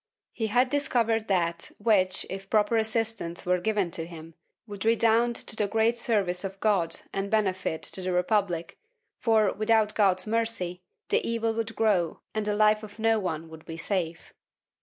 He had discovered that which, if proper assistance were given to him, would redound to the great service of God and benefit to the Republic for, without God's mercy, the evil would grow and the life of no one would be safe.